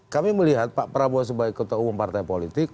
kami melihat pak prabowo sebagai ketua umum partai politik